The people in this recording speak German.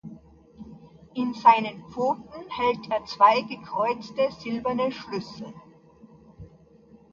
In seinen Pfoten hält er zwei gekreuzte silberne Schlüssel.